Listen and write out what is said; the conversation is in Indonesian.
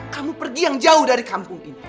kamu pergi yang jauh dari kampung ini